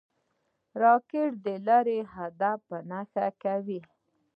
راکټ د لرې هدف په نښه کوي